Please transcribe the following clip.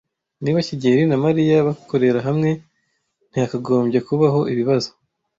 Niba kigeli na Mariya bakorera hamwe, ntihakagombye kubaho ibibazo.